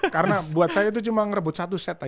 karena buat saya itu cuma ngerebut satu set aja